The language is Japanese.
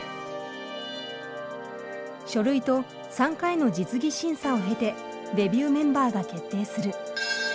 書類と３回の実技審査を経てデビューメンバーが決定する。